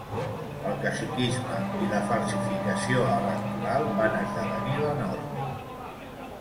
El caciquisme i la falsificació electoral van esdevenir la norma.